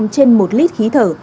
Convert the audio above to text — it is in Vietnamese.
trên một lít khí thở